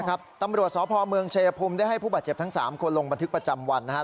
ตำรวจสพเมืองชายภูมิได้ให้ผู้บาดเจ็บทั้ง๓คนลงบันทึกประจำวันนะครับ